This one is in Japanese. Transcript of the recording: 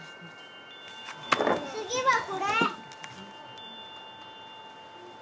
次はこれ！